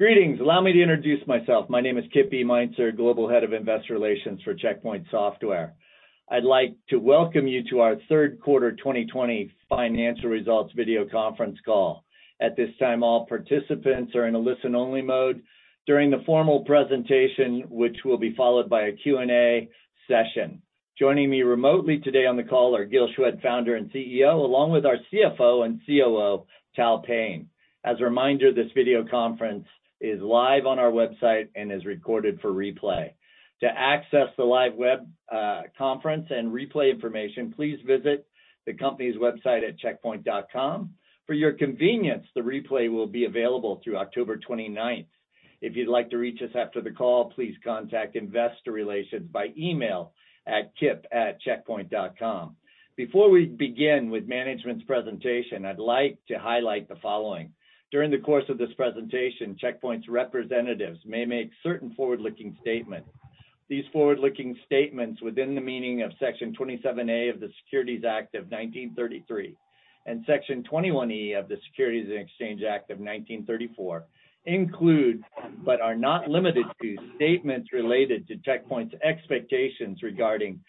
Greetings. Allow me to introduce myself. My name is Kip Meintzer, Global Head of Investor Relations for Check Point Software. I'd like to welcome you to our Third Quarter 2020 Financial Results Video Conference Call. At this time, all participants are in a listen-only mode during the formal presentation, which will be followed by a Q&A session. Joining me remotely today on the call are Gil Shwed, Founder and CEO, along with our CFO and COO, Tal Payne. As a reminder, this video conference is live on our website and is recorded for replay. To access the live web conference and replay information, please visit the company's website at checkpoint.com. For your convenience, the replay will be available through October 29th. If you'd like to reach us after the call, please contact investor relations by email at kip@checkpoint.com. Before we begin with management's presentation, I'd like to highlight the following. During the course of this presentation, Check Point's representatives may make certain forward-looking statements. These forward-looking statements within the meaning of Section 27A of the Securities Act of 1933 and Section 21E of the Securities Exchange Act of 1934 include, but are not limited to, statements related to Check Point's expectations regarding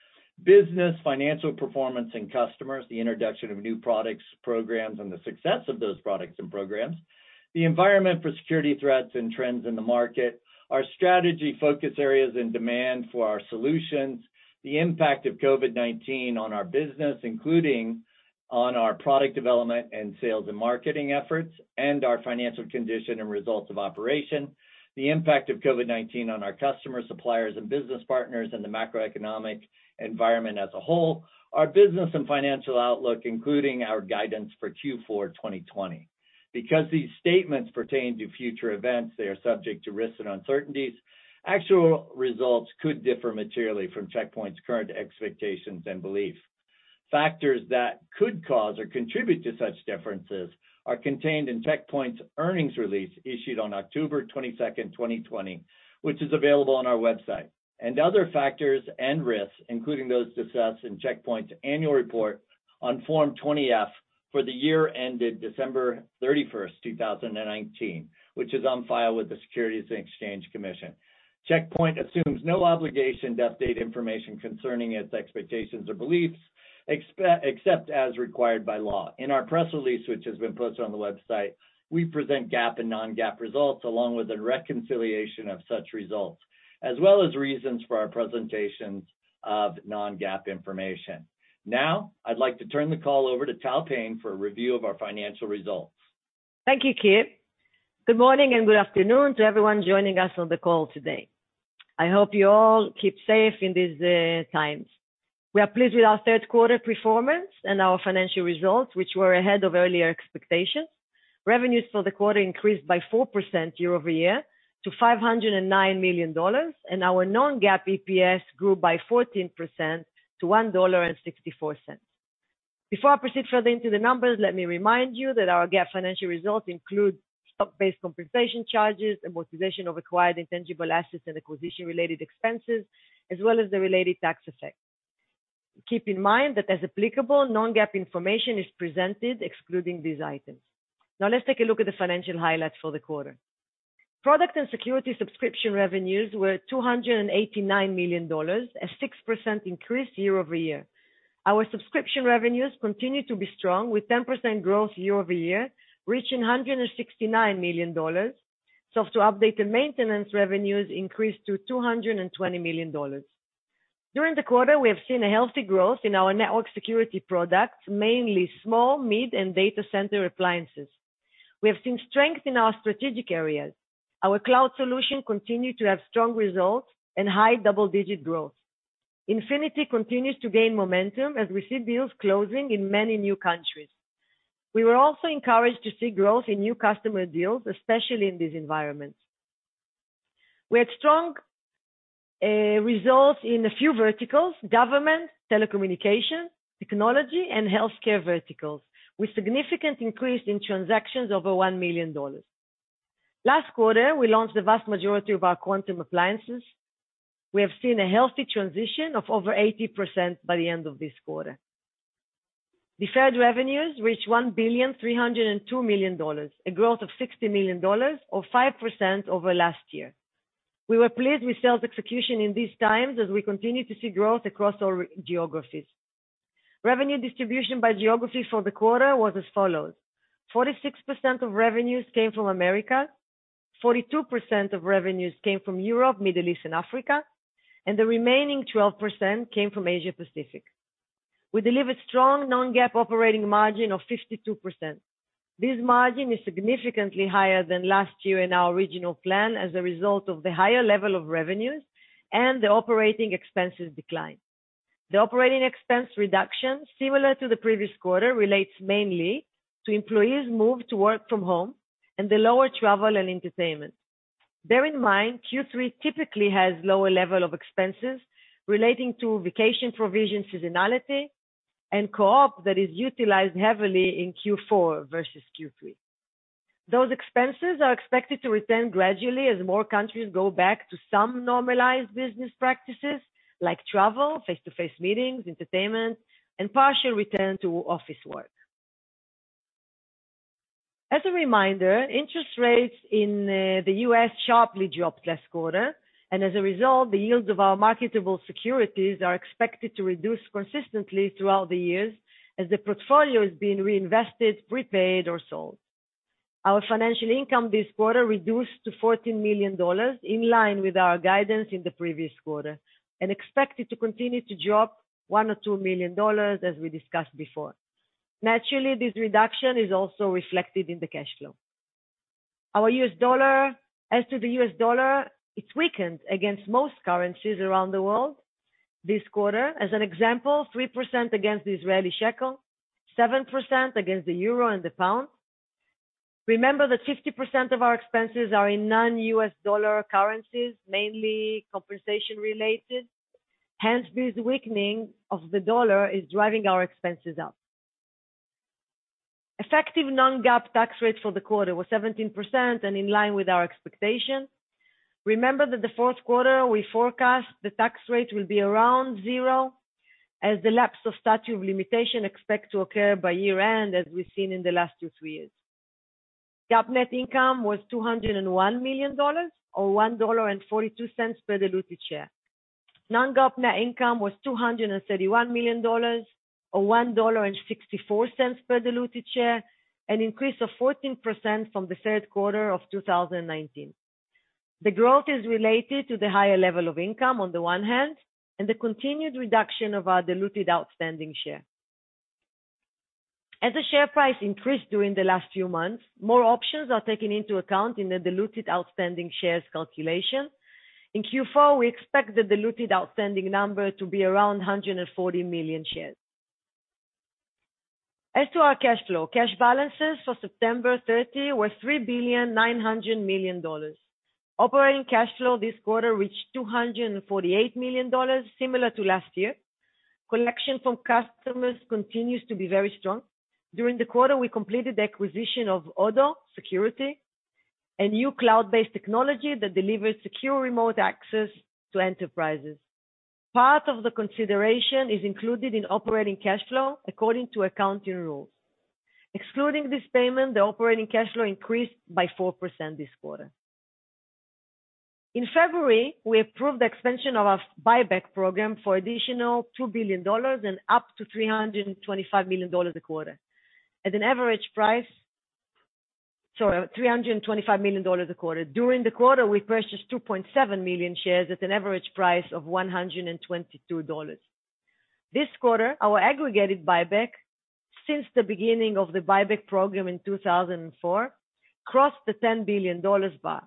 business, financial performance and customers, the introduction of new products, programs, and the success of those products and programs, the environment for security threats and trends in the market, our strategy, focus areas, and demand for our solutions, the impact of COVID-19 on our business, including on our product development and sales and marketing efforts, and our financial condition and results of operation, the impact of COVID-19 on our customers, suppliers, and business partners, and the macroeconomic environment as a whole, our business and financial outlook, including our guidance for Q4 2020. Because these statements pertain to future events, they are subject to risks and uncertainties. Actual results could differ materially from Check Point's current expectations and beliefs. Factors that could cause or contribute to such differences are contained in Check Point's earnings release issued on October 22nd, 2020, which is available on our website, and other factors and risks, including those discussed in Check Point's annual report on Form 20-F for the year ended December 31st, 2019, which is on file with the Securities and Exchange Commission. Check Point assumes no obligation to update information concerning its expectations or beliefs, except as required by law. In our press release, which has been posted on the website, we present GAAP and non-GAAP results along with a reconciliation of such results, as well as reasons for our presentations of non-GAAP information. I'd like to turn the call over to Tal Payne for a review of our financial results. Thank you, Kip. Good morning and good afternoon to everyone joining us on the call today. I hope you all keep safe in these times. We are pleased with our third quarter performance and our financial results, which were ahead of earlier expectations. Revenues for the quarter increased by 4% year-over-year to $509 million. Our non-GAAP EPS grew by 14% to $1.64. Before I proceed further into the numbers, let me remind you that our GAAP financial results include stock-based compensation charges, amortization of acquired intangible assets, and acquisition-related expenses, as well as the related tax effects. Keep in mind that as applicable, non-GAAP information is presented excluding these items. Let's take a look at the financial highlights for the quarter. Product and security subscription revenues were $289 million, a 6% increase year-over-year. Our subscription revenues continue to be strong with 10% growth year-over-year, reaching $169 million. Software update and maintenance revenues increased to $220 million. During the quarter, we have seen a healthy growth in our network security products, mainly small, mid, and data center appliances. We have seen strength in our strategic areas. Our cloud solution continued to have strong results and high double-digit growth. Infinity continues to gain momentum as we see deals closing in many new countries. We were also encouraged to see growth in new customer deals, especially in this environment. We had strong results in a few verticals, government, telecommunication, technology, and healthcare verticals, with significant increase in transactions over $1 million. Last quarter, we launched the vast majority of our Quantum appliances. We have seen a healthy transition of over 80% by the end of this quarter. Deferred revenues reached $1,302 million, a growth of $60 million or 5% over last year. We were pleased with sales execution in these times as we continue to see growth across all geographies. Revenue distribution by geography for the quarter was as follows: 46% of revenues came from America, 42% of revenues came from Europe, Middle East, and Africa, and the remaining 12% came from Asia Pacific. We delivered strong non-GAAP operating margin of 52%. This margin is significantly higher than last year in our original plan as a result of the higher level of revenues and the operating expenses decline. The operating expense reduction, similar to the previous quarter, relates mainly to employees moved to work from home and the lower travel and entertainment. Bear in mind, Q3 typically has lower level of expenses relating to vacation provision seasonality and co-op that is utilized heavily in Q4 versus Q3. Those expenses are expected to return gradually as more countries go back to some normalized business practices like travel, face-to-face meetings, entertainment, and partial return to office work. As a reminder, interest rates in the U.S. sharply dropped last quarter, and as a result, the yields of our marketable securities are expected to reduce consistently throughout the years as the portfolio is being reinvested, prepaid, or sold. Our financial income this quarter reduced to $14 million, in line with our guidance in the previous quarter, and expected to continue to drop $1 milllion or $2 million, as we discussed before. Naturally, this reduction is also reflected in the cash flow. As to the U.S. dollar, it weakened against most currencies around the world this quarter. As an example, 3% against the Israeli shekel, 7% against the euro and the pound. Remember that 50% of our expenses are in non-U.S. dollar currencies, mainly compensation-related. This weakening of the dollar is driving our expenses up. Effective non-GAAP tax rate for the quarter was 17% and in line with our expectation. Remember that the fourth quarter we forecast the tax rate will be around zero, as the lapse of statute of limitations expect to occur by year-end, as we've seen in the last two, three years. GAAP net income was $201 million, or $1.42 per diluted share. Non-GAAP net income was $231 million, or $1.64 per diluted share, an increase of 14% from the third quarter of 2019. The growth is related to the higher level of income on the one hand, and the continued reduction of our diluted outstanding share. As the share price increased during the last few months, more options are taken into account in the diluted outstanding shares calculation. In Q4, we expect the diluted outstanding number to be around 140 million shares. As to our cash flow, cash balances for September 30 were $3,900 million. Operating cash flow this quarter reached $248 million, similar to last year. Collection from customers continues to be very strong. During the quarter, we completed the acquisition of Odo Security, a new cloud-based technology that delivers secure remote access to enterprises. Part of the consideration is included in operating cash flow, according to accounting rules. Excluding this payment, the operating cash flow increased by 4% this quarter. In February, we approved the expansion of our buyback program for additional $2 billion and up to $325 million a quarter. Sorry, $325 million a quarter. During the quarter, we purchased 2.7 million shares at an average price of $122. This quarter, our aggregated buyback since the beginning of the buyback program in 2004, crossed the $10 billion bar.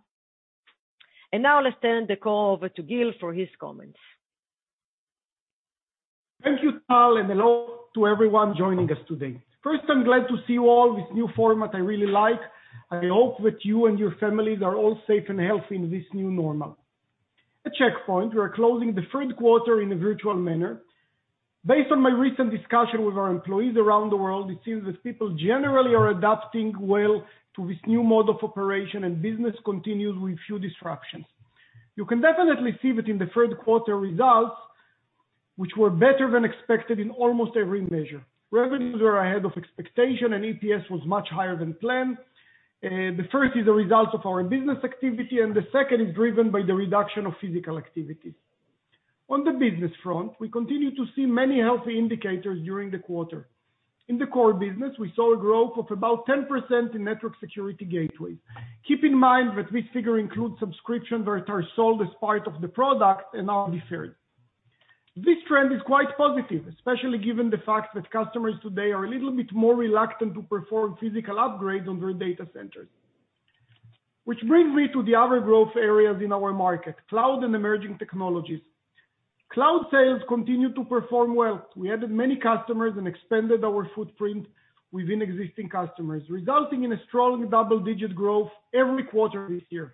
Now let's turn the call over to Gil for his comments. Thank you, Tal. Hello to everyone joining us today. First, I'm glad to see you all. This new format I really like. I hope that you and your families are all safe and healthy in this new normal. At Check Point, we are closing the third quarter in a virtual manner. Based on my recent discussion with our employees around the world, it seems that people generally are adapting well to this new mode of operation, and business continues with few disruptions. You can definitely see that in the third quarter results, which were better than expected in almost every measure. Revenues were ahead of expectation, and EPS was much higher than planned. The first is a result of our business activity, and the second is driven by the reduction of physical activity. On the business front, we continue to see many healthy indicators during the quarter. In the core business, we saw a growth of about 10% in network security gateways. Keep in mind that this figure includes subscription rates are sold as part of the product in all this period. This trend is quite positive, especially given the fact that customers today are a little bit more reluctant to perform physical upgrades on their data centers. Which brings me to the other growth areas in our market, cloud and emerging technologies. Cloud sales continue to perform well. We added many customers and expanded our footprint within existing customers, resulting in a strong double-digit growth every quarter this year,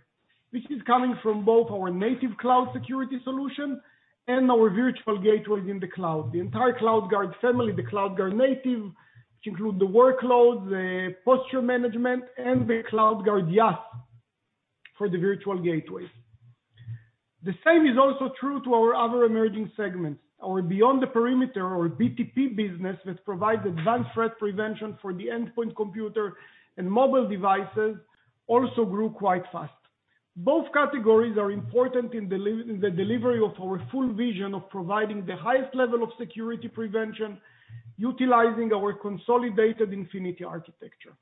which is coming from both our native cloud security solution and our virtual gateways in the cloud. The entire CloudGuard family, the CloudGuard Native, which include the workloads, the posture management, and the CloudGuard IaaS for the virtual gateways. The same is also true to our other emerging segments. Our Beyond the Perimeter or BTP business, which provides advanced threat prevention for the endpoint computer and mobile devices, also grew quite fast. Both categories are important in the delivery of our full vision of providing the highest level of security prevention utilizing our consolidated Infinity architecture.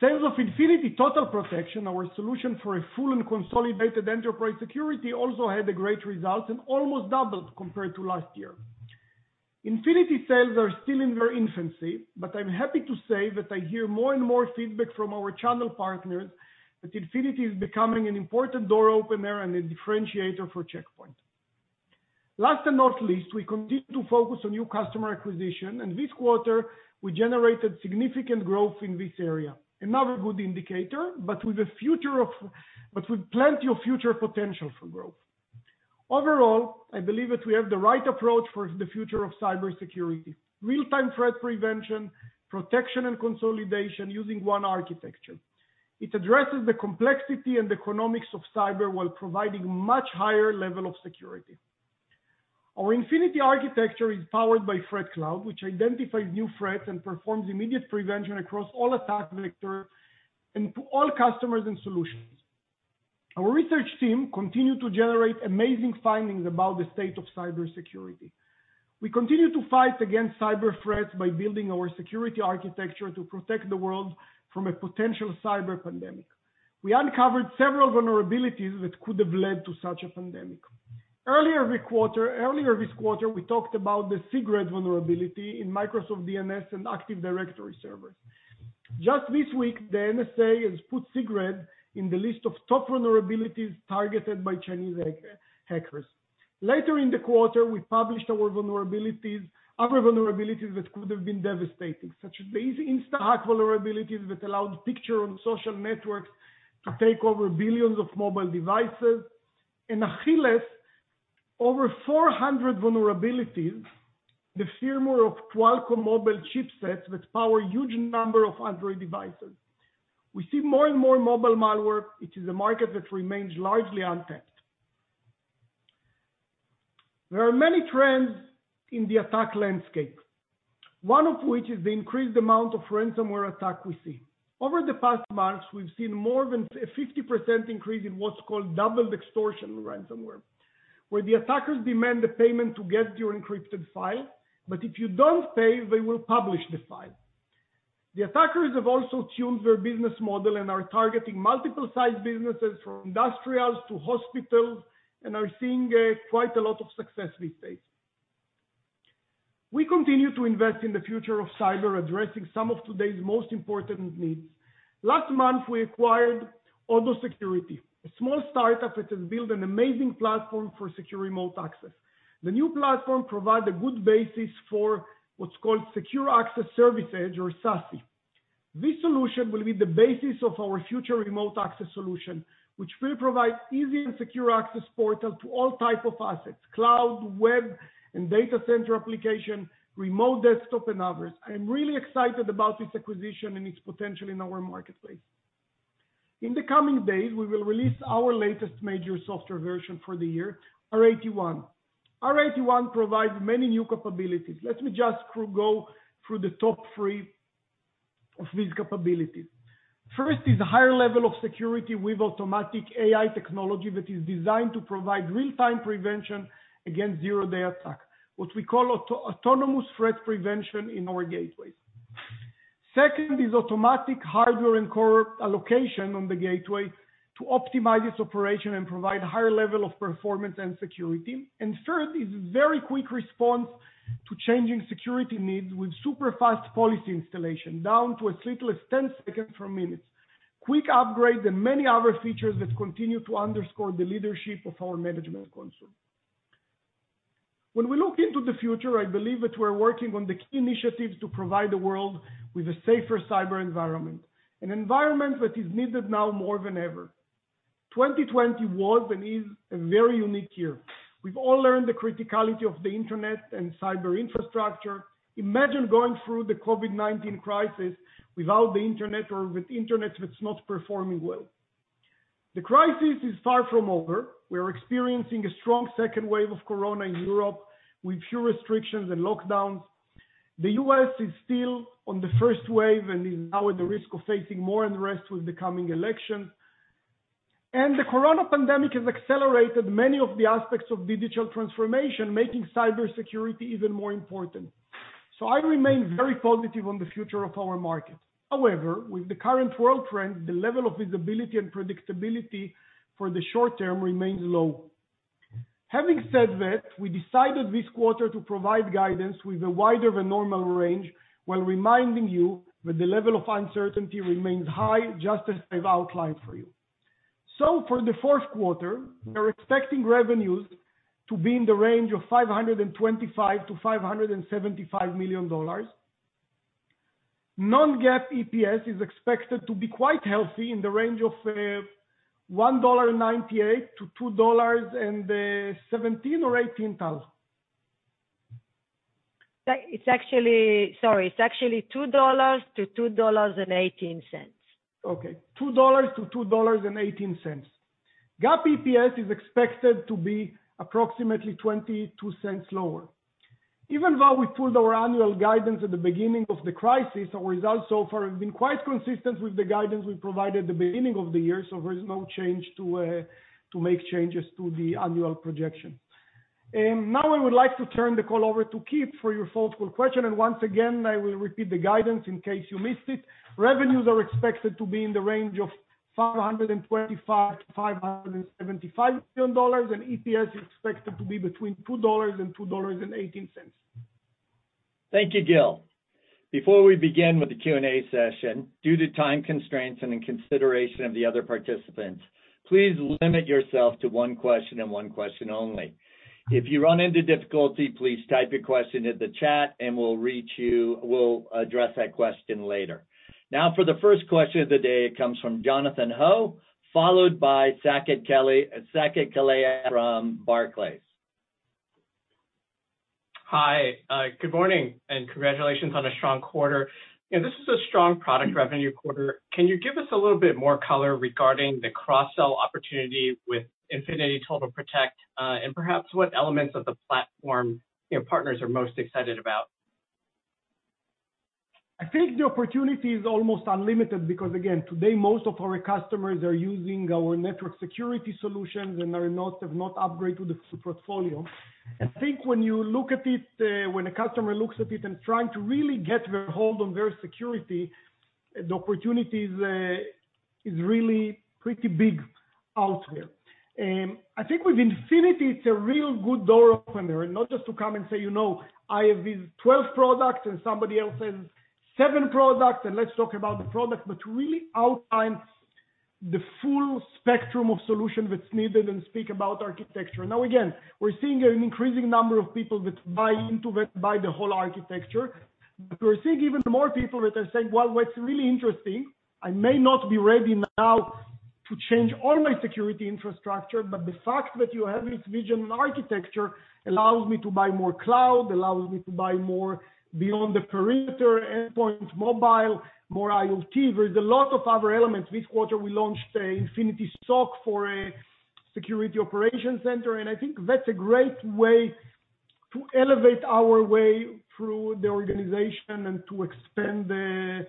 Sales of Infinity Total Protection, our solution for a full and consolidated enterprise security, also had great results and almost doubled compared to last year. Infinity sales are still in their infancy. I'm happy to say that I hear more and more feedback from our channel partners that Infinity is becoming an important door opener and a differentiator for Check Point. Last but not least, we continue to focus on new customer acquisition. This quarter, we generated significant growth in this area. Another good indicator, but with plenty of future potential for growth. Overall, I believe that we have the right approach for the future of cybersecurity. Real-time threat prevention, protection, and consolidation using one architecture. It addresses the complexity and economics of cyber while providing much higher level of security. Our Infinity architecture is powered by ThreatCloud, which identifies new threats and performs immediate prevention across all attack vectors and to all customers and solutions. Our research team continue to generate amazing findings about the state of cybersecurity. We continue to fight against cyber threats by building our security architecture to protect the world from a potential cyber pandemic. We uncovered several vulnerabilities that could have led to such a pandemic. Earlier this quarter, we talked about the SIGRed vulnerability in Microsoft DNS and Active Directory servers. Just this week, the NSA has put SIGRed in the list of top vulnerabilities targeted by Chinese hackers. Later in the quarter, we published our vulnerabilities, other vulnerabilities that could have been devastating, such as the InstaHack vulnerabilities that allowed picture on social networks to take over billions of mobile devices. In Achilles, over 400 vulnerabilities, the firmware of Qualcomm mobile chipsets, which power a huge number of Android devices. We see more and more mobile malware, which is a market that remains largely untapped. There are many trends in the attack landscape. One of which is the increased amount of ransomware attack we see. Over the past months, we've seen more than a 50% increase in what's called double extortion ransomware, where the attackers demand the payment to get your encrypted file, but if you don't pay, they will publish the file. The attackers have also tuned their business model and are targeting multiple size businesses from industrials to hospitals and are seeing quite a lot of success these days. We continue to invest in the future of cyber, addressing some of today's most important needs. Last month, we acquired Odo Security, a small startup that has built an amazing platform for secure remote access. The new platform provide a good basis for what's called Secure Access Service Edge, or SASE. This solution will be the basis of our future remote access solution, which will provide easy and secure access portal to all type of assets, cloud, web, and data center application, remote desktop, and others. I am really excited about this acquisition and its potential in our marketplace. In the coming days, we will release our latest major software version for the year, R81. R81 provides many new capabilities. Let me just go through the top three of these capabilities. First is a higher level of security with automatic AI technology that is designed to provide real-time prevention against zero-day attack, what we call autonomous threat prevention in our gateways. Second is automatic hardware and core allocation on the gateway to optimize its operation and provide higher level of performance and security. Third is very quick response to changing security needs with super fast policy installation, down to as little as 10 seconds from minutes. Quick upgrades and many other features that continue to underscore the leadership of our management console. When we look into the future, I believe that we're working on the key initiatives to provide the world with a safer cyber environment, an environment that is needed now more than ever. 2020 was and is a very unique year. We've all learned the criticality of the internet and cyber infrastructure. Imagine going through the COVID-19 crisis without the internet or with internet that's not performing well. The crisis is far from over. We're experiencing a strong second wave of corona in Europe, with few restrictions and lockdowns. The U.S. is still on the first wave and is now at the risk of facing more unrest with the coming election. The corona pandemic has accelerated many of the aspects of digital transformation, making cybersecurity even more important. I remain very positive on the future of our market. However, with the current world trend, the level of visibility and predictability for the short term remains low. Having said that, we decided this quarter to provide guidance with a wider than normal range, while reminding you that the level of uncertainty remains high, just as I've outlined for you. For the fourth quarter, we are expecting revenues to be in the range of $525 million-$575 million. Non-GAAP EPS is expected to be quite healthy in the range of $1.98-$2 and $17,000 or $18,000. Sorry. It's actually $2-$2.18. Okay. $2-$2.18. GAAP EPS is expected to be approximately $0.22 lower. Even though we pulled our annual guidance at the beginning of the crisis, our results so far have been quite consistent with the guidance we provided at the beginning of the year, there is no change to make changes to the annual projection. Now I would like to turn the call over to Kip for your full call question. Once again, I will repeat the guidance in case you missed it. Revenues are expected to be in the range of $525 million-$575 million, and EPS is expected to be between $2 and $2.18. Thank you, Gil. Before we begin with the Q&A session, due to time constraints and in consideration of the other participants, please limit yourself to one question and one question only. If you run into difficulty, please type your question in the chat and we'll address that question later. Now, for the first question of the day, it comes from Jonathan Ho, followed by Saket Kalia from Barclays. Hi. Good morning, and congratulations on a strong quarter. This is a strong product revenue quarter. Can you give us a little bit more color regarding the cross-sell opportunity with Infinity Total Protection, and perhaps what elements of the platform partners are most excited about? I think the opportunity is almost unlimited because, again, today most of our customers are using our network security solutions and have not upgraded to the full portfolio. I think when a customer looks at it and trying to really get a hold on their security, the opportunity is really pretty big out there. I think with Infinity, it's a real good door opener, and not just to come and say, "I have these 12 products, and somebody else has seven products, and let's talk about the products," but to really outline the full spectrum of solution that's needed and speak about architecture. Now, again, we're seeing an increasing number of people that buy into it, buy the whole architecture. We're seeing even more people that are saying, "Well, what's really interesting, I may not be ready now to change all my security infrastructure, but the fact that you have this vision architecture allows me to buy more cloud, allows me to buy more beyond-the-perimeter endpoint mobile, more IoT." There is a lot of other elements. This quarter, we launched an Infinity SOC for a security operations center, and I think that's a great way to elevate our way through the organization and to expand the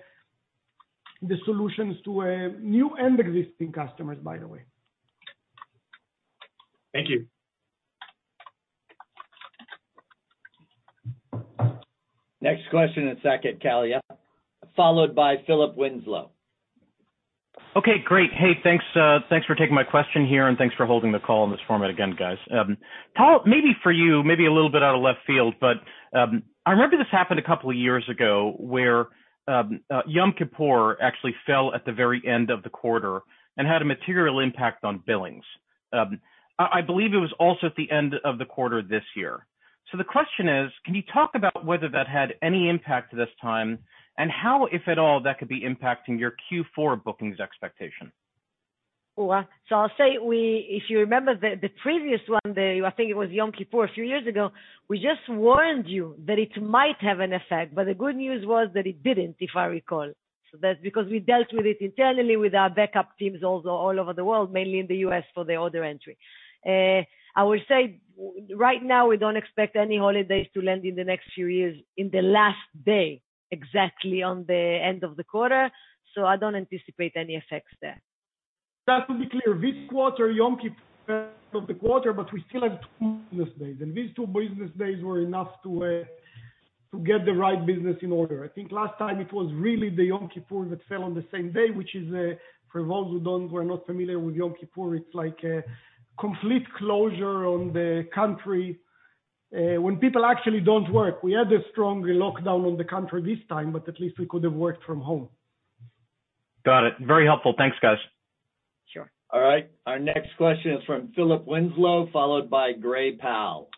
solutions to new and existing customers, by the way. Thank you. Next question is Saket Kalia, followed by Philip Winslow. Okay, great. Hey, thanks for taking my question here, and thanks for holding the call in this format again, guys. Tal, maybe for you, maybe a little bit out of left field, but I remember this happened a couple of years ago where Yom Kippur actually fell at the very end of the quarter and had a material impact on billings. I believe it was also at the end of the quarter this year. The question is, can you talk about whether that had any impact this time? How, if at all, that could be impacting your Q4 bookings expectation? I'll say, if you remember the previous one, I think it was Yom Kippur a few years ago, we just warned you that it might have an effect, the good news was that it didn't, if I recall. That's because we dealt with it internally with our backup teams, also all over the world, mainly in the U.S., for the order entry. I will say, right now, we don't expect any holidays to land in the next few years in the last day, exactly on the end of the quarter, I don't anticipate any effects there. Just to be clear, this quarter, Yom Kippur of the quarter, but we still had two business days, and these two business days were enough to get the right business in order. I think last time it was really the Yom Kippur that fell on the same day, which is, for those who are not familiar with Yom Kippur, it's like a complete closure on the country, when people actually don't work. We had a strong lockdown on the country this time, but at least we could have worked from home. Got it. Very helpful. Thanks, guys. Sure. All right, our next question is from Philip Winslow, followed by Gray Powell.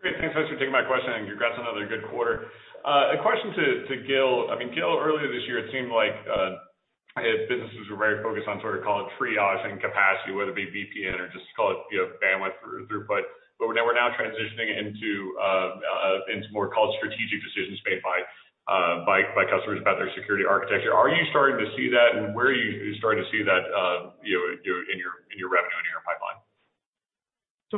Great. Thanks, guys, for taking my question. Congrats on another good quarter. A question to Gil. Gil, earlier this year, it seemed like businesses were very focused on sort of call it triaging capacity, whether it be VPN or just call it bandwidth through. We're now transitioning into more, call it, strategic decisions made by customers about their security architecture. Are you starting to see that? Where are you starting to see that in your revenue, in your pipeline?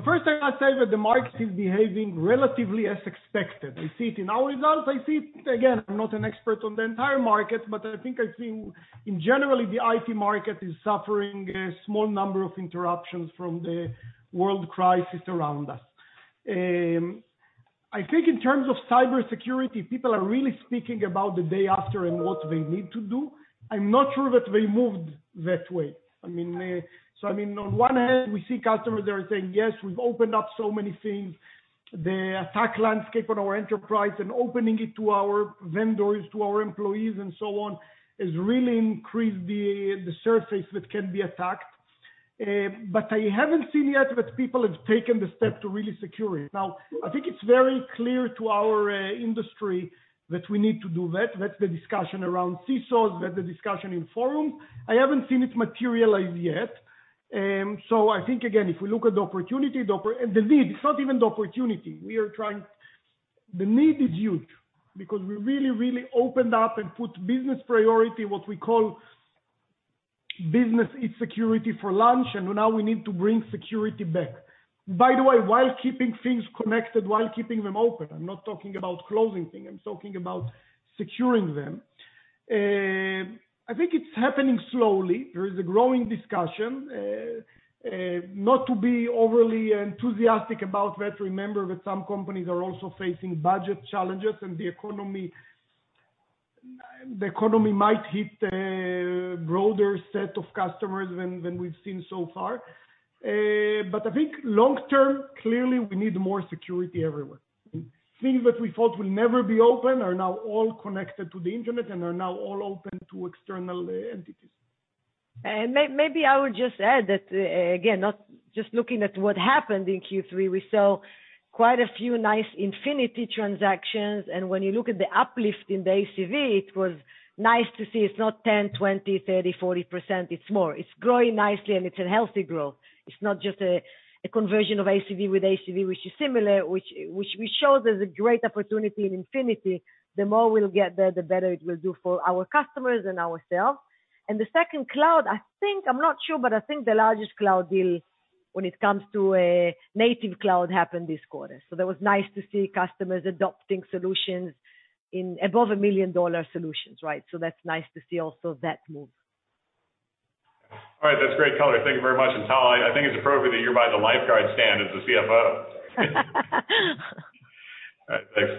First thing I'd say that the market is behaving relatively as expected. I see it in our results. I see it, again, I'm not an expert on the entire market, but I think I've seen in general the IT market is suffering a small number of interruptions from the world crisis around us. I think in terms of cybersecurity, people are really speaking about the day after and what they need to do. I'm not sure that they moved that way. I mean, on one hand, we see customers that are saying, "Yes, we've opened up so many things. The attack landscape on our enterprise and opening it to our vendors, to our employees, and so on, has really increased the surface that can be attacked." I haven't seen yet that people have taken the step to really secure it. I think it's very clear to our industry that we need to do that. That's the discussion around CISOs, that's the discussion in forums. I haven't seen it materialize yet. I think, again, if we look at the opportunity, the need, it's not even the opportunity. The need is huge because we really opened up and put business priority, what we call business eat security for lunch, and now we need to bring security back. By the way, while keeping things connected, while keeping them open. I'm not talking about closing things, I'm talking about securing them. I think it's happening slowly. There is a growing discussion. Not to be overly enthusiastic about that, remember that some companies are also facing budget challenges, and the economy might hit a broader set of customers than we've seen so far. I think long term, clearly, we need more security everywhere. Things that we thought would never be open are now all connected to the internet and are now all open to external entities. Maybe I would just add that, again, just looking at what happened in Q3, we saw quite a few nice Infinity transactions, and when you look at the uplift in the ACV, it was nice to see it's not 10%, 20%, 30%, 40%, it's more. It's growing nicely and it's a healthy growth. It's not just a conversion of ACV with ACV, which is similar, which shows there's a great opportunity in Infinity. The more we'll get there, the better it will do for our customers and ourselves. The second cloud, I think, I'm not sure, but I think the largest cloud deal when it comes to a native cloud happened this quarter. That was nice to see customers adopting solutions in above a million-dollar solutions. That's nice to see also that move. All right. That's great color. Thank you very much. Tal, I think it's appropriate that you're by the lifeguard stand as the CFO. All right, thanks.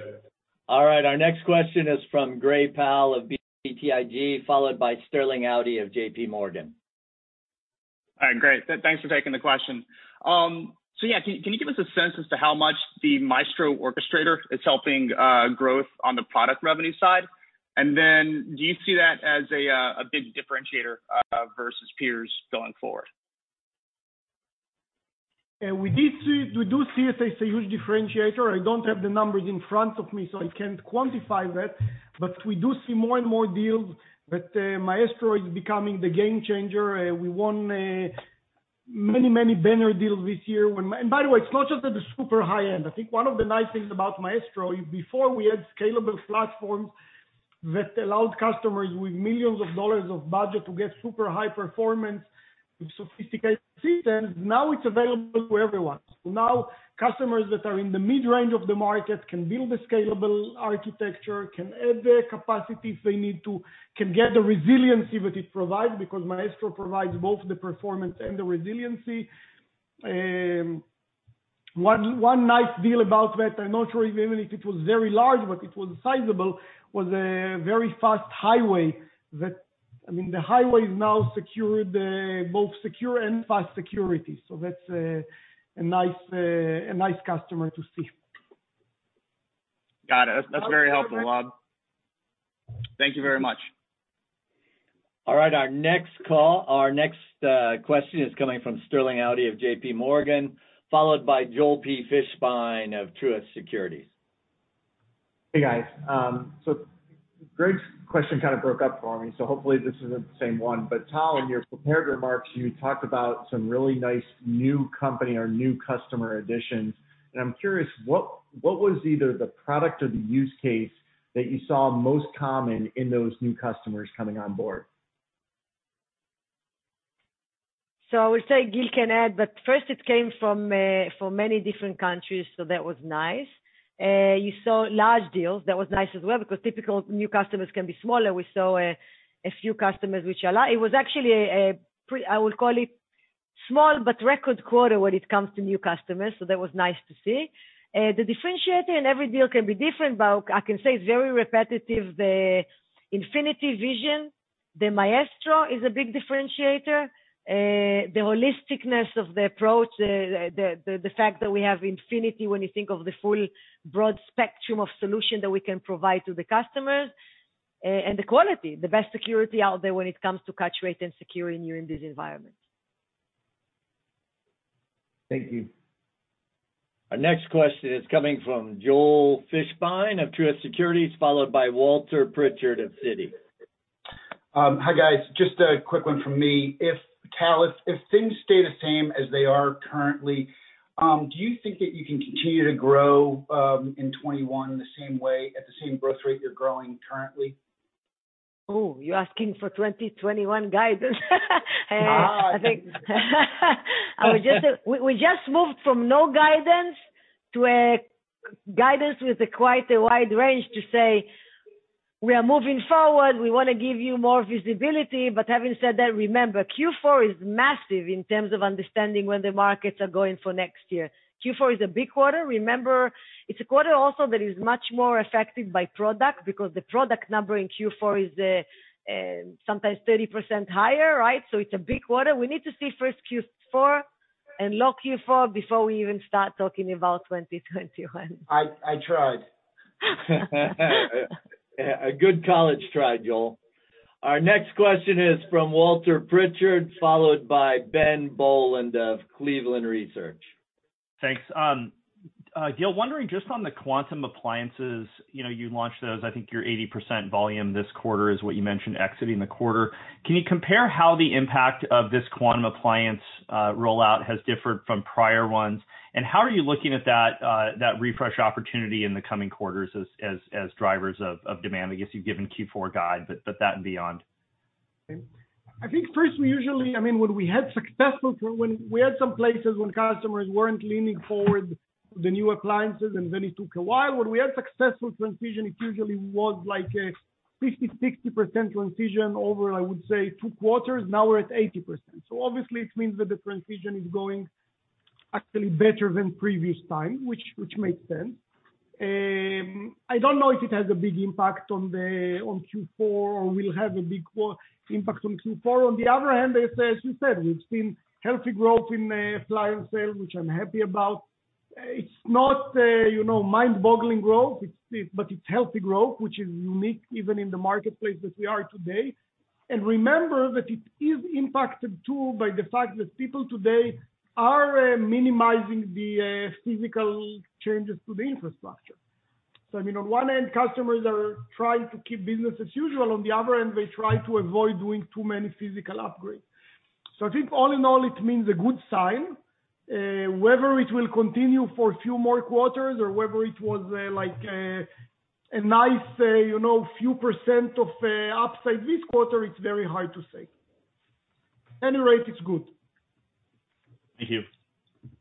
All right, our next question is from Gray Powell of BTIG, followed by Sterling Auty of JPMorgan. All right, great. Thanks for taking the question. Yeah, can you give us a sense as to how much the Maestro Orchestrator is helping growth on the product revenue side? Do you see that as a big differentiator versus peers going forward? We do see it as a huge differentiator. I don't have the numbers in front of me, so I can't quantify that. We do see more and more deals that Maestro is becoming the game changer. We won many banner deals this year. By the way, it's not just at the super high-end. I think one of the nice things about Maestro is before we had scalable platforms that allowed customers with millions of dollars of budget to get super high performance with sophisticated systems, now it's available for everyone. Now customers that are in the mid-range of the market can build a scalable architecture, can add the capacity if they need to, can get the resiliency that it provides, because Maestro provides both the performance and the resiliency. One nice deal about that, I'm not sure even if it was very large, but it was sizable, was a very fast highway that, I mean, the highway is now both secure and fast security. That's a nice customer to see. Got it. That's very helpful, Gil. Thank you very much. All right, our next question is coming from Sterling Auty of JPMorgan, followed by Joel P. Fishbein of Truist Securities. Hey, guys. Gray's question kind of broke up for me, so hopefully this isn't the same one. Tal, in your prepared remarks, you talked about some really nice new company or new customer additions, and I'm curious what was either the product or the use case that you saw most common in those new customers coming on board? I would say Gil can add, but first it came from many different countries, so that was nice. You saw large deals. That was nice as well because typical new customers can be smaller. We saw a few customers which are large. It was actually, I would call it small, but record quarter when it comes to new customers. That was nice to see. The differentiator in every deal can be different, but I can say it's very repetitive, the Infinity vision, the Maestro is a big differentiator, the holisticness of the approach, the fact that we have Infinity when you think of the full broad spectrum of solution that we can provide to the customers, and the quality, the best security out there when it comes to catch rate and security in this environment. Thank you. Our next question is coming from Joel Fishbein of Truist Securities, followed by Walter Pritchard of Citi. Hi, guys. Just a quick one from me. If Tal, if things stay the same as they are currently, do you think that you can continue to grow in 2021 the same way at the same growth rate you're growing currently? Oh, you're asking for 2021 guidance? I would just say, we just moved from no guidance to a guidance with quite a wide range to say we are moving forward. We want to give you more visibility. Having said that, remember, Q4 is massive in terms of understanding where the markets are going for next year. Q4 is a big quarter. Remember, it's a quarter also that is much more affected by product because the product number in Q4 is sometimes 30% higher. It's a big quarter. We need to see first Q4 and lock Q4 before we even start talking about 2021. I tried. A good college try, Joel. Our next question is from Walter Pritchard, followed by Ben Bollin of Cleveland Research. Thanks. Gil, wondering just on the Quantum Appliances, you launched those, I think your 80% volume this quarter is what you mentioned exiting the quarter. Can you compare how the impact of this Quantum Appliance rollout has differed from prior ones, and how are you looking at that refresh opportunity in the coming quarters as drivers of demand? I guess you've given Q4 guide, but that and beyond. I think first we usually, when we had successful-- We had some places when customers weren't leaning forward, the new appliances, and then it took a while. When we had successful transition, it usually was like a 50%, 60% transition over, I would say, two quarters. Now we're at 80%. Obviously it means that the transition is going actually better than previous time, which makes sense. I don't know if it has a big impact on Q4, or will have a big impact on Q4. On the other hand, as you said, we've seen healthy growth in appliance sales, which I'm happy about. It's not mind-boggling growth, but it's healthy growth, which is unique even in the marketplace as we are today. Remember that it is impacted too by the fact that people today are minimizing the physical changes to the infrastructure. On one end, customers are trying to keep business as usual. On the other end, they try to avoid doing too many physical upgrades. I think all in all, it means a good sign, whether it will continue for a few more quarters or whether it was a nice few percent of upside this quarter, it's very hard to say. Any rate, it's good. Thank you.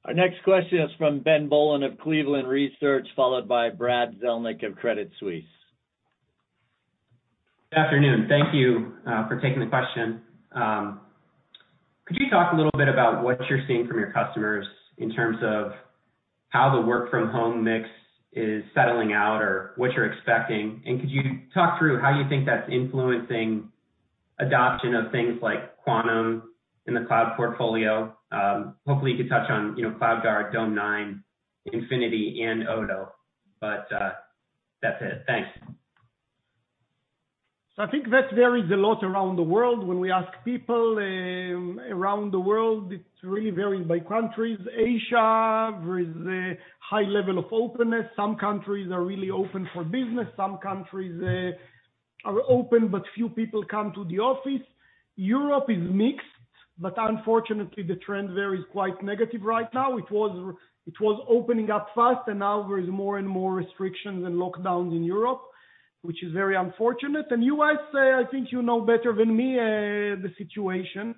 Our next question is from Ben Bollin of Cleveland Research, followed by Brad Zelnick of Credit Suisse. Good afternoon. Thank you for taking the question. Could you talk a little bit about what you're seeing from your customers in terms of how the work from home mix is settling out or what you're expecting? Could you talk through how you think that's influencing adoption of things like Quantum in the cloud portfolio? Hopefully you could touch on CloudGuard, Dome9, Infinity, and Odo. That's it. Thanks. I think that varies a lot around the world. When we ask people around the world, it really varies by countries. Asia, there is a high level of openness. Some countries are really open for business. Some countries are open, but few people come to the office. Europe is mixed, but unfortunately, the trend there is quite negative right now. It was opening up fast, now there is more and more restrictions and lockdowns in Europe, which is very unfortunate. U.S., I think you know better than me the situation.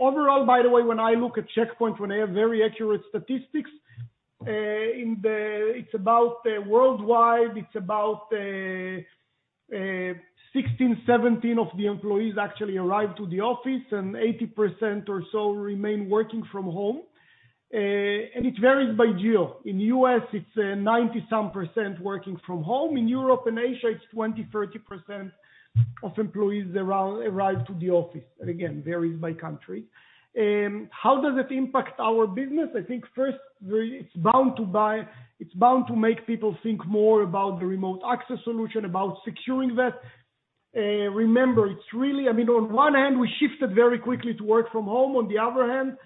Overall, by the way, when I look at Check Point, when they have very accurate statistics, worldwide, it's about 16%, 17% of the employees actually arrive to the office, and 80% or so remain working from home. It varies by geo. In U.S., it's 90%-some working from home. In Europe and Asia, it's 20%, 30% of employees arrive to the office. Again, varies by country. How does it impact our business? I think first, it's bound to make people think more about the remote access solution, about securing that. Remember, on one hand, we shifted very quickly to work from home. On the other hand,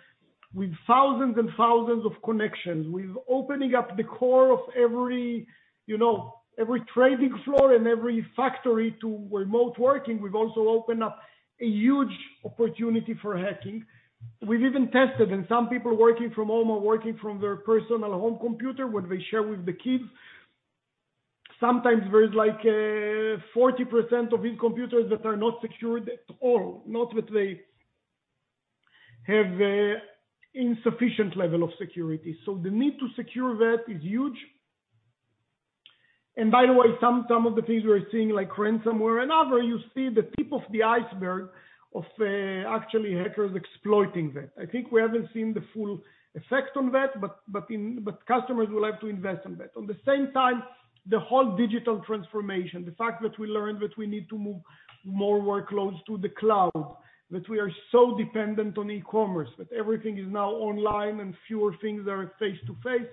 with thousands and thousands of connections, with opening up the core of every trading floor and every factory to remote working, we've also opened up a huge opportunity for hacking. We've even tested, and some people working from home are working from their personal home computer, what they share with the kids. Sometimes there is like, 40% of these computers that are not secured at all, not that they have insufficient level of security. The need to secure that is huge. By the way, some of the things we're seeing, like ransomware and other, you see the tip of the iceberg of actually hackers exploiting that. I think we haven't seen the full effect on that, but customers will have to invest in that. At the same time, the whole digital transformation, the fact that we learned that we need to move more workloads to the cloud, that we are so dependent on e-commerce, that everything is now online and fewer things are face-to-face,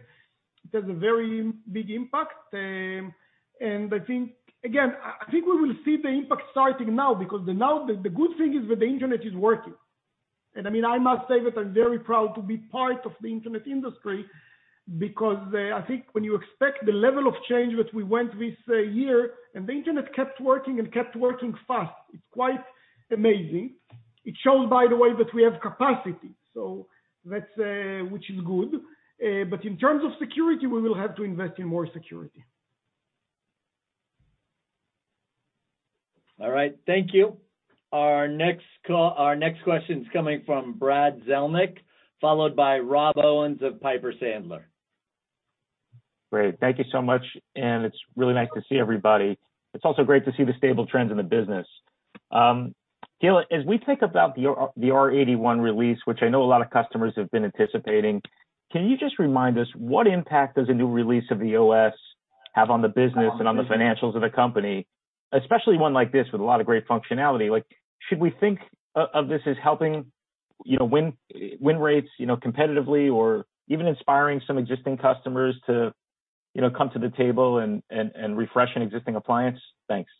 it has a very big impact. I think we will see the impact starting now, because now the good thing is that the internet is working. I must say that I'm very proud to be part of the internet industry, because I think when you expect the level of change that we went this year, the internet kept working fast, it's quite amazing. It shows, by the way, that we have capacity, which is good. In terms of security, we will have to invest in more security. All right. Thank you. Our next question is coming from Brad Zelnick, followed by Rob Owens of Piper Sandler. Great. Thank you so much. It's really nice to see everybody. It's also great to see the stable trends in the business. Gil, as we think about the R81 release, which I know a lot of customers have been anticipating, can you just remind us what impact does a new release of the OS have on the business and on the financials of the company, especially one like this with a lot of great functionality? Should we think of this as helping win rates competitively or even inspiring some existing customers to come to the table and refresh an existing appliance? Thanks.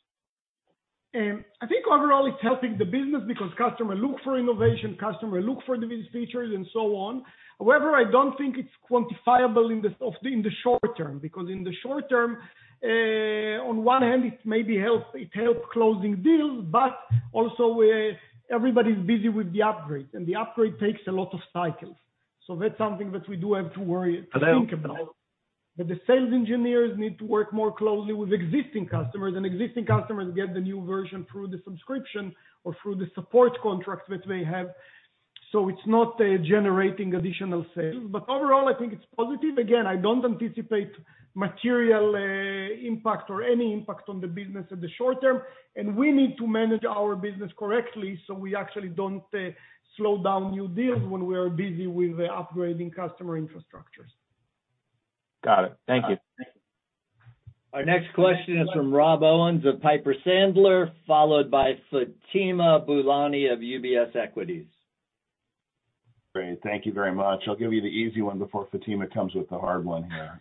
I think overall, it's helping the business because customer look for innovation, customer look for the business features and so on. However, I don't think it's quantifiable in the short term, because in the short term, on one hand, it may help closing deals, but also everybody's busy with the upgrade, and the upgrade takes a lot of cycles. That's something that we do have to worry, to think about. The sales engineers need to work more closely with existing customers, and existing customers get the new version through the subscription or through the support contracts that they have. It's not generating additional sales. Overall, I think it's positive. I don't anticipate material impact or any impact on the business in the short term, and we need to manage our business correctly, so we actually don't slow down new deals when we are busy with upgrading customer infrastructures. Got it. Thank you. Our next question is from Rob Owens of Piper Sandler, followed by Fatima Boolani of UBS Equities. Great. Thank you very much. I'll give you the easy one before Fatima comes with the hard one here.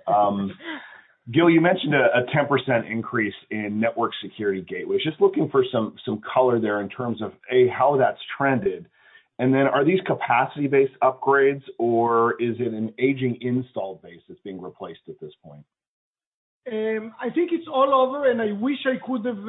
Gil, you mentioned a 10% increase in network security gateways. Just looking for some color there in terms of, A, how that's trended, and then are these capacity-based upgrades, or is it an aging install base that's being replaced at this point? I think it's all over. I wish I could have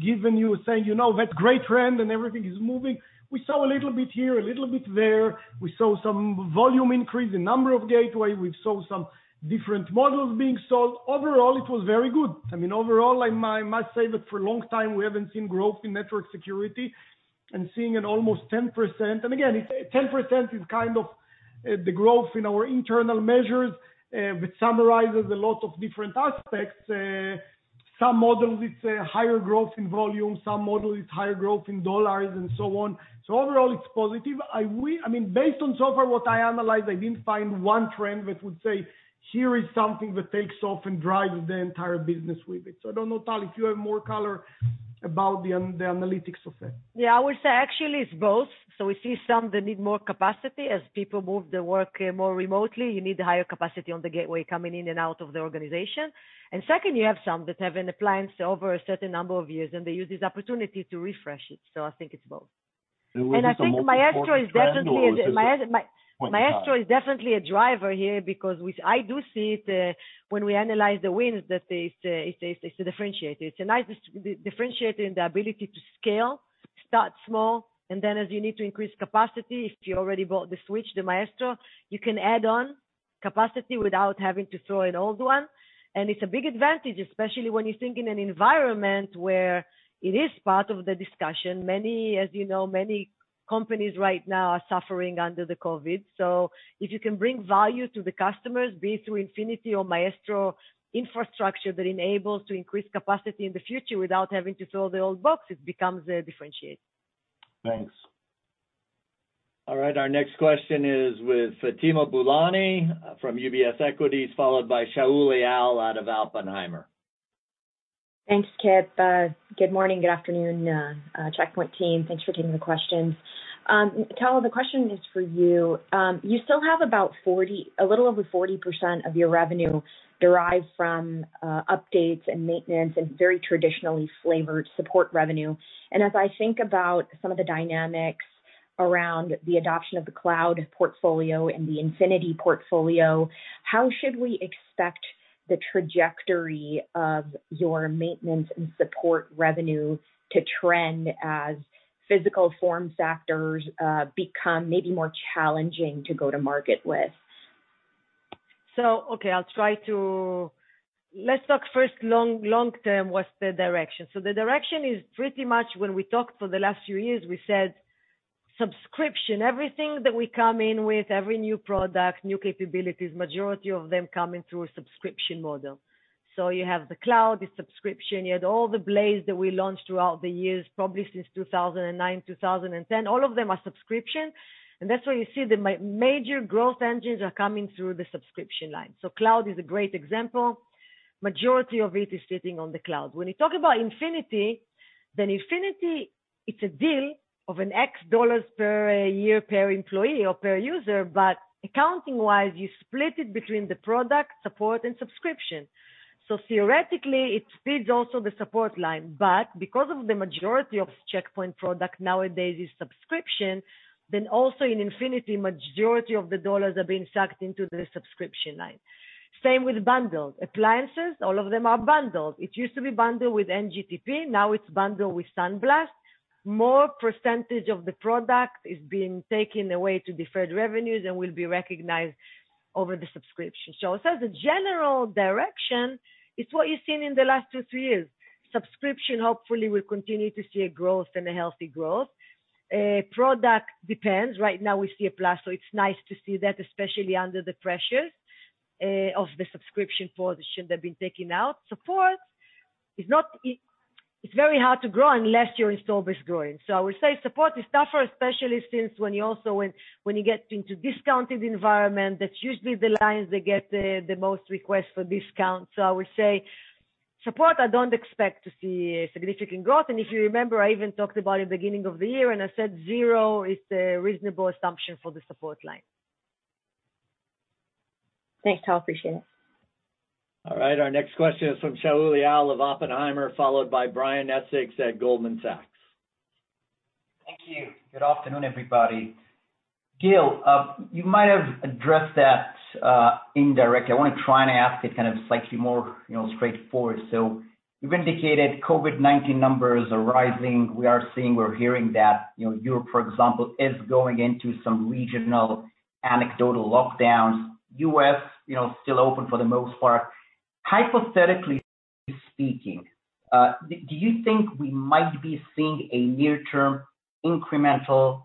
given you, saying, "That great trend and everything is moving." We saw a little bit here, a little bit there. We saw some volume increase, the number of gateway. We saw some different models being sold. Overall, it was very good. Overall, I must say that for a long time, we haven't seen growth in network security, seeing an almost 10%. Again, 10% is kind of the growth in our internal measures, but summarizes a lot of different aspects. Some models, it's a higher growth in volume, some models is higher growth in dollars, and so on. Overall, it's positive. Based on so far what I analyzed, I didn't find one trend that would say, here is something that takes off and drives the entire business with it. I don't know, Tal, if you have more color about the analytics of it? Yeah, I would say actually it's both. We see some that need more capacity. As people move the work more remotely, you need higher capacity on the gateway coming in and out of the organization. Second, you have some that have an appliance over a certain number of years, and they use this opportunity to refresh it. I think it's both. Was this a multi-product trend, or was this point in time? I think Maestro is definitely a driver here because I do see it when we analyze the wins that it's a differentiator. It's a nice differentiator in the ability to scale, start small, and then as you need to increase capacity, if you already bought the switch, the Maestro, you can add on capacity without having to throw an old one. It's a big advantage, especially when you think in an environment where it is part of the discussion. As you know, many companies right now are suffering under the COVID. If you can bring value to the customers, be it through Infinity or Maestro infrastructure that enables to increase capacity in the future without having to throw the old box, it becomes a differentiator. Thanks. All right. Our next question is with Fatima Boolani from UBS Equities, followed by Shaul Eyal out of Oppenheimer. Thanks, Kip. Good morning, good afternoon, Check Point team. Thanks for taking the questions. Tal, the question is for you. You still have about a little over 40% of your revenue derived from updates and maintenance and very traditionally flavored support revenue. As I think about some of the dynamics around the adoption of the Cloud portfolio and the Infinity portfolio, how should we expect the trajectory of your maintenance and support revenue to trend as physical form factors become maybe more challenging to go to market with? Okay, let's talk first long term, what's the direction? The direction is pretty much when we talked for the last few years, we said subscription. Everything that we come in with, every new product, new capabilities, majority of them come in through a subscription model. You have the cloud, the subscription, you had all the blades that we launched throughout the years, probably since 2009, 2010, all of them are subscription. That's why you see the major growth engines are coming through the subscription line. Cloud is a great example. Majority of it is sitting on the cloud. When you talk about Infinity, it's a deal of an X dollar per year per employee or per user. Accounting-wise, you split it between the product, support, and subscription. Theoretically, it feeds also the support line. Because of the majority of Check Point product nowadays is subscription, then also in Infinity, majority of the dollars are being sucked into the subscription line. Same with bundles. Appliances, all of them are bundles. It used to be bundled with NGTP, now it's bundled with SandBlast. More percentage of the product is being taken away to deferred revenues and will be recognized over the subscription. As a general direction, it's what you've seen in the last two, three years. Subscription, hopefully, we'll continue to see a growth and a healthy growth. Product depends. Right now, we see a plus, it's nice to see that, especially under the pressures of the subscription portion that have been taken out. Support, it's very hard to grow unless your install base growing. I would say support is tougher, especially since when you get into discounted environment, that's usually the lines that get the most requests for discount. I would say support, I don't expect to see a significant growth. If you remember, I even talked about it beginning of the year, and I said zero is a reasonable assumption for the support line. Thanks, Tal. Appreciate it. All right. Our next question is from Shaul Eyal of Oppenheimer, followed by Brian Essex at Goldman Sachs. Thank you. Good afternoon, everybody. Gil, you might have addressed that indirectly. I want to try and ask it kind of slightly more straightforward. You've indicated COVID-19 numbers are rising. We are seeing, we're hearing that Europe, for example, is going into some regional anecdotal lockdowns. U.S., still open for the most part. Hypothetically speaking, do you think we might be seeing a near-term incremental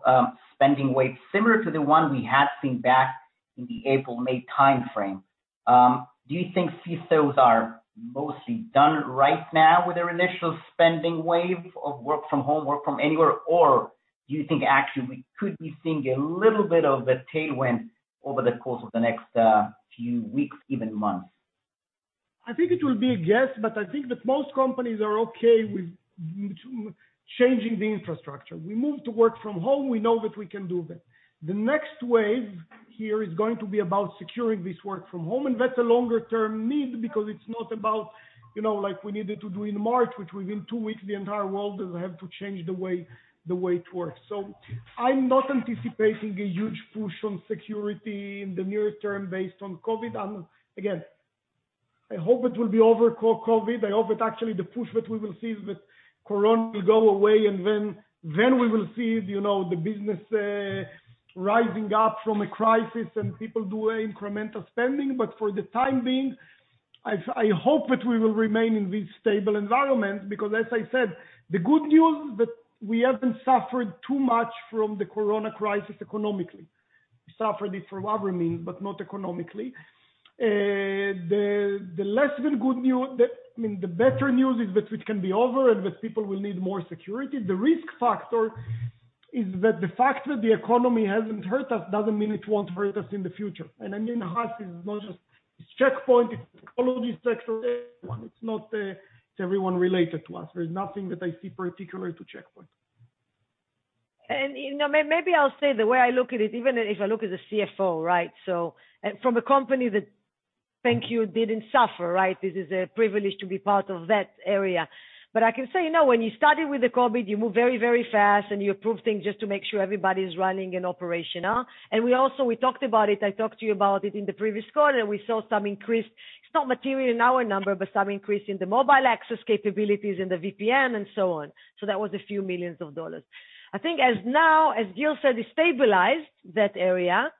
spending wave similar to the one we had seen back in the April/May timeframe? Do you think CISOs are mostly done right now with their initial spending wave of work from home, work from anywhere, or do you think actually we could be seeing a little bit of a tailwind? Over the course of the next few weeks, even months? I think it will be a guess, but I think that most companies are okay with changing the infrastructure. We moved to work from home. We know that we can do that. The next wave here is going to be about securing this work from home, and that's a longer-term need because it's not about like we needed to do in March, which within two weeks the entire world have to change the way it works. I'm not anticipating a huge push on security in the near term based on COVID. Again, I hope it will be over, COVID. I hope that actually the push that we will see is that corona will go away, and then we will see the business rising up from a crisis and people do incremental spending. For the time being, I hope that we will remain in this stable environment because, as I said, the good news is that we haven't suffered too much from the corona crisis economically. We suffered it from other means, but not economically. The less good news, the better news is that it can be over and that people will need more security. The risk factor is that the fact that the economy hasn't hurt us doesn't mean it won't hurt us in the future. I mean, us. It's Check Point, it's technology, it's everyone related to us. There's nothing that I see particular to Check Point. Maybe I'll say the way I look at it, even if I look as a CFO, right? From a company that, thank you, didn't suffer, right? This is a privilege to be part of that area. I can say, now when you started with the COVID, you move very fast and you approve things just to make sure everybody's running and operational. We also, we talked about it, I talked to you about it in the previous quarter, we saw some increased, it's not material in our number, but some increase in the mobile access capabilities in the VPN and so on. That was a few millions of dollars. I think as now, as Gil said, it stabilized that area.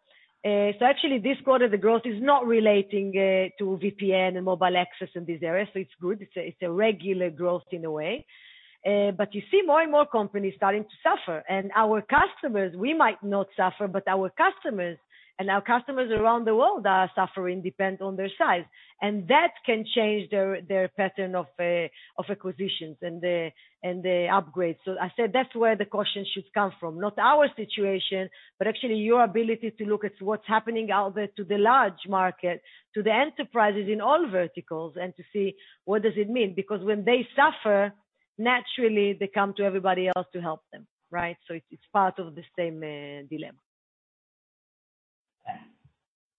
Actually, this quarter, the growth is not relating to VPN and mobile access in this area, so it's good. It's a regular growth in a way. You see more and more companies starting to suffer. Our customers, we might not suffer, but our customers and our customers around the world are suffering depending on their size. That can change their pattern of acquisitions and the upgrades. I said that's where the caution should come from, not our situation, but actually your ability to look at what's happening out there to the large market, to the enterprises in all verticals, and to see what does it mean. When they suffer, naturally, they come to everybody else to help them. Right? It's part of the same dilemma.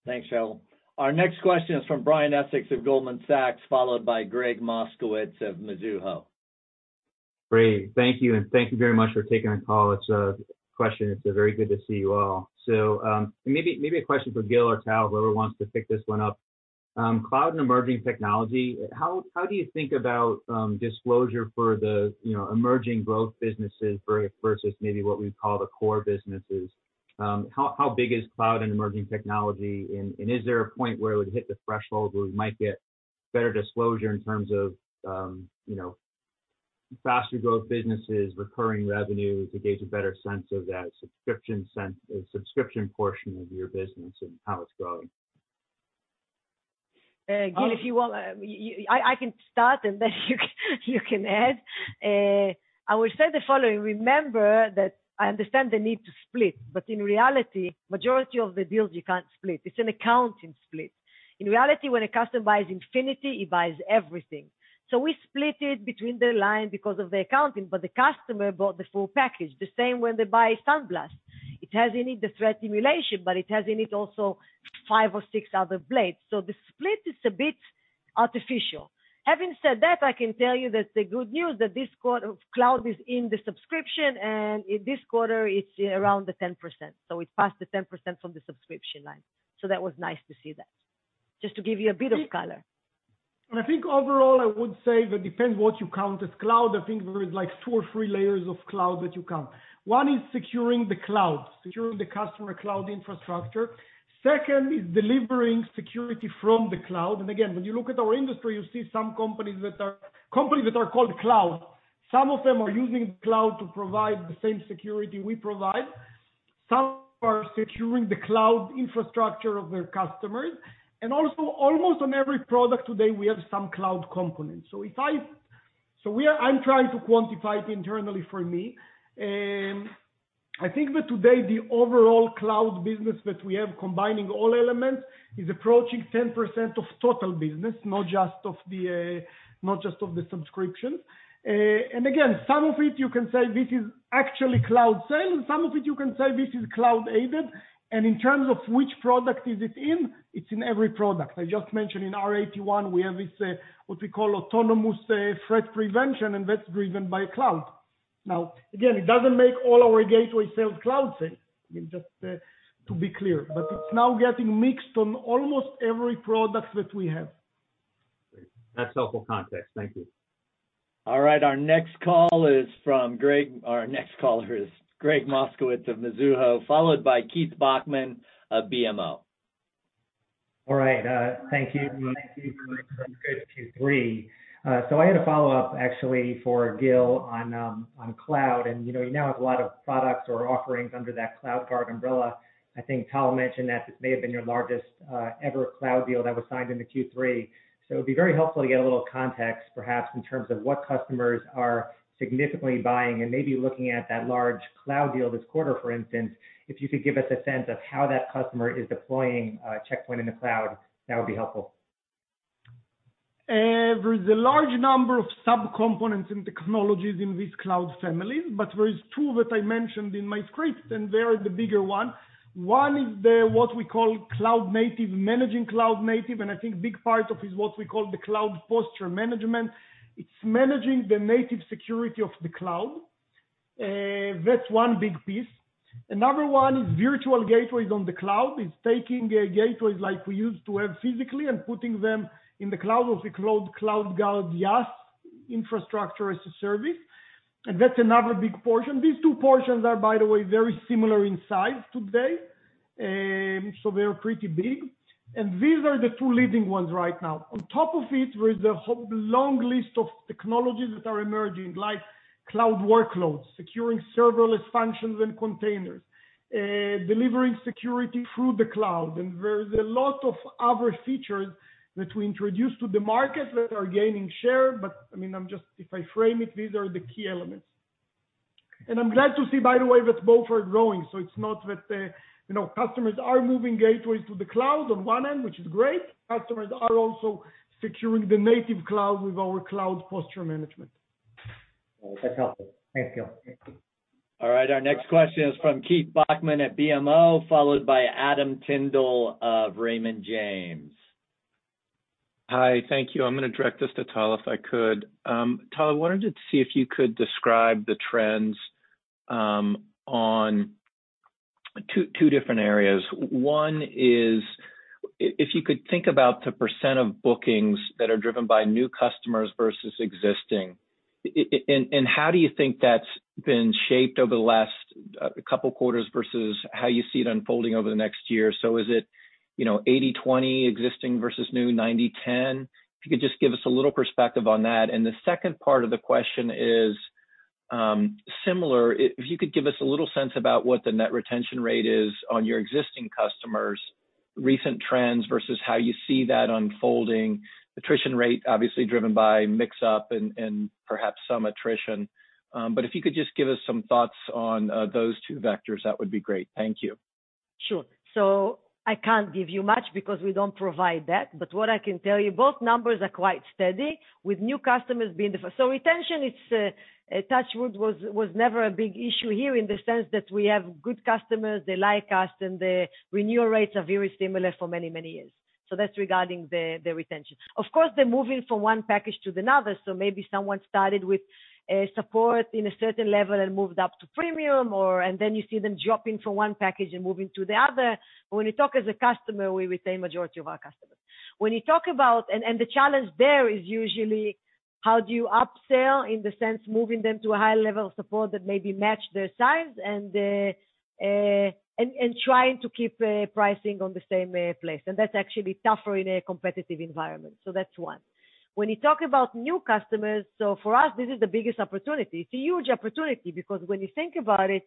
Thanks, Tal. Our next question is from Brian Essex of Goldman Sachs, followed by Gregg Moskowitz of Mizuho. Great. Thank you, thank you very much for taking our call. It's a question, it's very good to see you all. Maybe a question for Gil or Tal, whoever wants to pick this one up. Cloud and emerging technology, how do you think about disclosure for the emerging growth businesses versus maybe what we'd call the core businesses? How big is cloud and emerging technology, is there a point where it would hit the threshold where we might get better disclosure in terms of faster growth businesses, recurring revenue, to gauge a better sense of that subscription portion of your business and how it's growing? Gil, if you want, I can start and then you can add. I will say the following. Remember that I understand the need to split, but in reality, majority of the deals you can't split. It's an accounting split. In reality, when a customer buys Infinity, he buys everything. We split it between the line because of the accounting, but the customer bought the full package. The same when they buy SandBlast. It has in it the threat simulation, but it has in it also five or six other blades. The split is a bit artificial. Having said that, I can tell you that the good news that this quarter, cloud is in the subscription, and in this quarter it's around 10%, so it passed 10% from the subscription line. That was nice to see that. Just to give you a bit of color. I think overall, I would say that depends what you count as cloud. I think there is like two or three layers of cloud that you count. One is securing the cloud, securing the customer cloud infrastructure. Second is delivering security from the cloud. Again, when you look at our industry, you see some companies that are called cloud. Some of them are using cloud to provide the same security we provide. Some are securing the cloud infrastructure of their customers. Also, almost on every product today, we have some cloud components. I'm trying to quantify it internally for me. I think that today the overall cloud business that we have, combining all elements, is approaching 10% of total business, not just of the subscription. Again, some of it you can say this is actually cloud sale, and some of it you can say this is cloud-aided. In terms of which product is it in, it's in every product. I just mentioned in R81, we have this, what we call autonomous threat prevention, and that's driven by cloud. Again, it doesn't make all our gateway sell cloud sale, just to be clear, but it's now getting mixed on almost every product that we have. Great. That's helpful context. Thank you. All right, our next call is from Gregg Moskowitz of Mizuho, followed by Keith Bachman of BMO. All right, thank you. Q3. I had a follow-up actually for Gil on cloud, and you now have a lot of products or offerings under that CloudGuard umbrella. I think Tal mentioned that this may have been your largest ever cloud deal that was signed in the Q3. It'd be very helpful to get a little context perhaps in terms of what customers are significantly buying and maybe looking at that large cloud deal this quarter, for instance, if you could give us a sense of how that customer is deploying Check Point in the cloud, that would be helpful. There is a large number of sub-components and technologies in these cloud families, there is two that I mentioned in my script, they are the bigger one. One is what we call cloud native, managing cloud native, I think big part of is what we call the cloud posture management. It's managing the native security of the cloud. That's one big piece. Another one is virtual gateways on the cloud. It's taking the gateways like we used to have physically putting them in the cloud, of the CloudGuard IaaS Infrastructure as a Service, that's another big portion. These two portions are, by the way, very similar in size today, they're pretty big. These are the two leading ones right now. On top of it, there is a long list of technologies that are emerging, like cloud workloads, securing serverless functions and containers, delivering security through the cloud. There is a lot of other features that we introduced to the market that are gaining share, but if I frame it, these are the key elements. I'm glad to see, by the way, that both are growing, so customers are moving gateways to the cloud on one end, which is great. Customers are also securing the native cloud with our cloud posture management. That's helpful. Thanks, Gil. All right. Our next question is from Keith Bachman at BMO, followed by Adam Tindle of Raymond James. Hi. Thank you. I'm going to direct this to Tal, if I could. Tal, wanted to see if you could describe the trends on two different areas. One is, if you could think about the % of bookings that are driven by new customers versus existing, and how do you think that's been shaped over the last couple quarters versus how you see it unfolding over the next year. Is it, 80/20 existing versus new, 90/10? If you could just give us a little perspective on that. The second part of the question is similar, if you could give us a little sense about what the net retention rate is on your existing customers, recent trends versus how you see that unfolding. Attrition rate obviously driven by mix-up and perhaps some attrition. If you could just give us some thoughts on those two vectors, that would be great. Thank you. Sure. I can't give you much because we don't provide that, but what I can tell you, both numbers are quite steady with new customers being the first. Retention, touch wood, was never a big issue here in the sense that we have good customers, they like us, and the renewal rates are very similar for many, many years. That's regarding the retention. Of course, they're moving from one package to another, so maybe someone started with support in a certain level and moved up to premium, and then you see them dropping from one package and moving to the other. When you talk as a customer, we retain majority of our customers. The challenge there is usually how do you upsell in the sense moving them to a higher level of support that maybe match their size, and trying to keep pricing on the same place. That's actually tougher in a competitive environment. That's one. When you talk about new customers, for us, this is the biggest opportunity. It's a huge opportunity because when you think about it,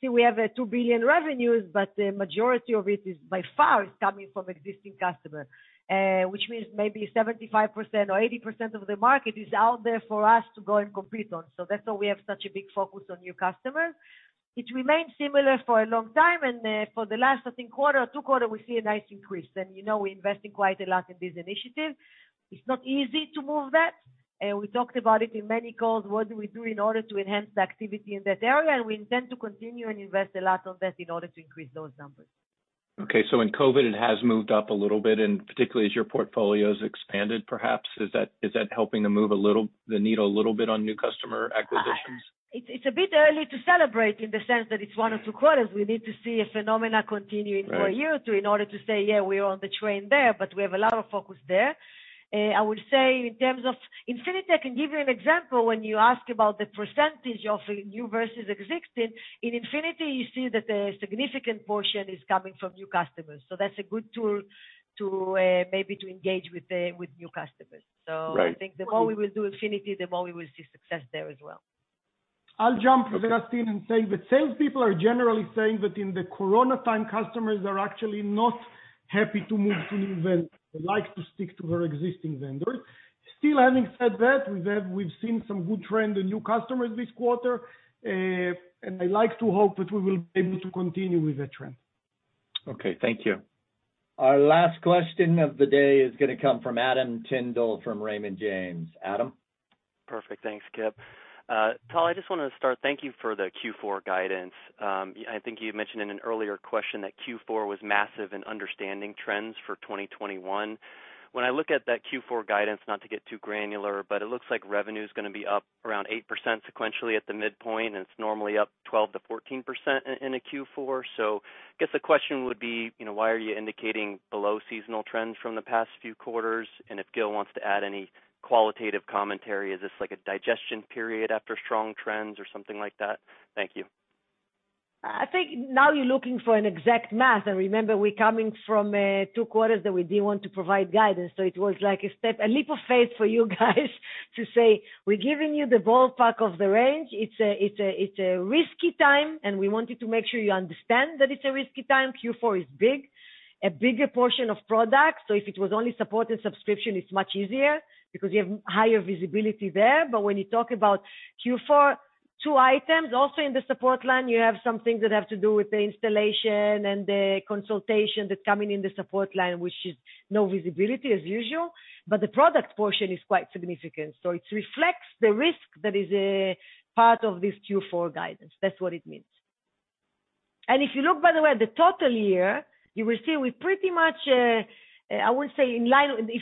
see, we have a $2 billion revenues, but the majority of it is, by far, is coming from existing customer, which means maybe 75% or 80% of the market is out there for us to go and compete on. That's why we have such a big focus on new customers, which remained similar for a long time. For the last, I think, quarter or two quarter, we see a nice increase. We invest in quite a lot in this initiative. It's not easy to move that, we talked about it in many calls. What do we do in order to enhance the activity in that area? We intend to continue and invest a lot of that in order to increase those numbers. Okay. In COVID, it has moved up a little bit, and particularly as your portfolio's expanded, perhaps. Is that helping to move the needle a little bit on new customer acquisitions? It's a bit early to celebrate in the sense that it's one or two quarters. We need to see a phenomena continuing for a year or two in order to say, "Yeah, we're on the train there," but we have a lot of focus there. I would say in terms of Infinity, I can give you an example when you ask about the % of new versus existing. In Infinity, you see that a significant portion is coming from new customers, so that's a good tool maybe to engage with new customers. Right. I think the more we will do Infinity, the more we will see success there as well. I'll jump, Keith, and say that salespeople are generally saying that in the coronavirus, customers are actually not happy to move to new vendors. They like to stick to their existing vendors. Having said that, we've seen some good trend in new customers this quarter, and I like to hope that we will be able to continue with that trend. Okay. Thank you. Our last question of the day is going to come from Adam Tindle from Raymond James. Adam? Perfect. Thanks, Kip. Tal, I just want to start thank you for the Q4 guidance. I think you mentioned in an earlier question that Q4 was massive in understanding trends for 2021. When I look at that Q4 guidance, not to get too granular, but it looks like revenue's going to be up around 8% sequentially at the midpoint, and it's normally up 12%-14% in a Q4. Guess the question would be, why are you indicating below seasonal trends from the past few quarters? And if Gil wants to add any qualitative commentary, is this like a digestion period after strong trends or something like that. Thank you. I think now you're looking for an exact math. Remember, we're coming from two quarters that we didn't want to provide guidance. It was like a leap of faith for you guys to say, "We're giving you the ballpark of the range." It's a risky time. We wanted to make sure you understand that it's a risky time. Q4 is big, a bigger portion of product. If it was only support and subscription, it's much easier because you have higher visibility there. When you talk about Q4, two items, also in the support line, you have some things that have to do with the installation and the consultation that's coming in the support line, which is no visibility as usual, but the product portion is quite significant. It reflects the risk that is a part of this Q4 guidance. That's what it means. If you look, by the way, at the total year, you will see we pretty much, if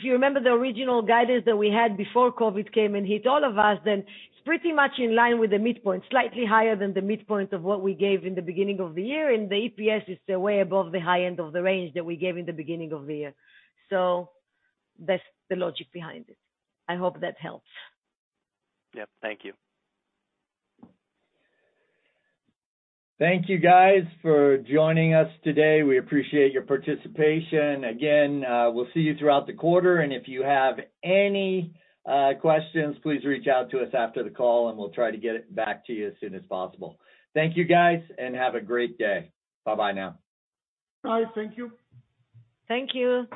you remember the original guidance that we had before COVID came and hit all of us, then it's pretty much in line with the midpoint, slightly higher than the midpoint of what we gave in the beginning of the year. The EPS is way above the high end of the range that we gave in the beginning of the year. That's the logic behind it. I hope that helps. Yep. Thank you. Thank you guys for joining us today. We appreciate your participation. Again, we'll see you throughout the quarter, and if you have any questions, please reach out to us after the call, and we'll try to get it back to you as soon as possible. Thank you guys, and have a great day. Bye-bye now. Bye. Thank you. Thank you.